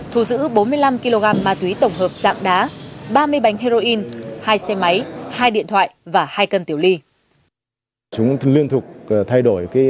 thu giữ bốn mươi năm kg ma túy tổng hợp dạng đá ba mươi bánh heroin hai xe máy hai điện thoại và hai cân tiểu ly